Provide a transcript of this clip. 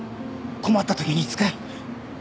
困った時に使え。